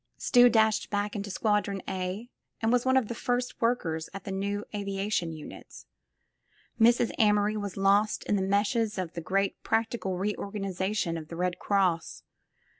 Stuy dashed back into Squadron A and was one of the first workers at the new aviation units. Mrs. Amory was lost in the meshes of the great practical reorganization of the Eed Cross.